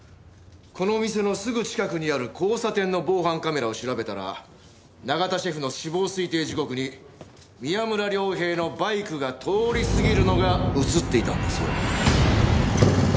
この店のすぐ近くにある交差点の防犯カメラを調べたら永田シェフの死亡推定時刻に宮村涼平のバイクが通り過ぎるのが映っていたんですよ。